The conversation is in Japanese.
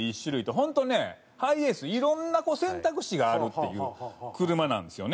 本当にねハイエースいろんな選択肢があるっていう車なんですよね。